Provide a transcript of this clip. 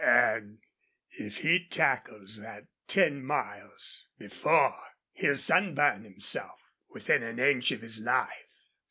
An' if he tackles that ten miles before he'll sunburn himself within an inch of his life."